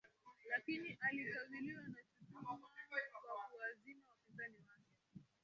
Lakini alikabiliwa na shutuma kwa kuwazima wapinzani wake